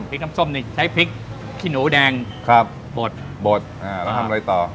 น้ำส้มนี่ใช้พริกขี้หนูแดงครับบดบดอ่าแล้วทำอะไรต่อ